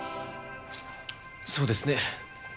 そうですね。